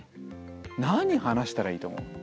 何話したらいいと思う？